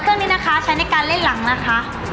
เครื่องนี้นะคะใช้ในการเล่นหลังนะคะ